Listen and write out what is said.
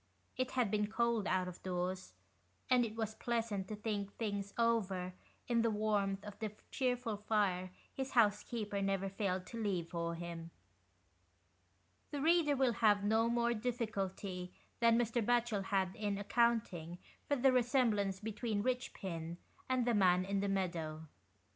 It had been cold out of doors, and it was pleasant to think things over in the warmth of the cheerful fire his housekeeper never failed to leave for him. The reader will have no more difficulty than Mr. Batchel 66 THE EICHPINS. had in accounting for the resemblance between Eichpin and the man in the meadow.